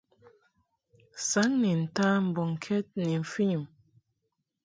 Saŋ ni nta mbɔŋkɛd ni mfɨnyum.